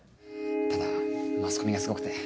ただマスコミがすごくて。